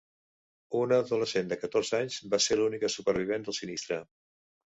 Una adolescent de catorze anys va ser l'única supervivent del sinistre.